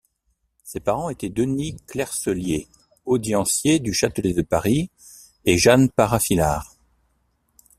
Ses parents étaient Denis Clerselier, audiencier du Châtelet de Paris, et Jeanne Parafillar.